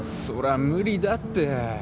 そりゃ無理だって。